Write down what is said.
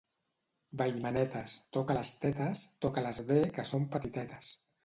Ballmanetes, toca les tetes, toca-les bé que són petitetes.